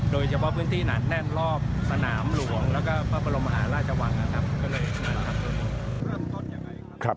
โดยเฉพาะพื้นที่นั้นแน่นรอบสนามหลวงแล้วก็พระบรมหาลาชวังนะครับ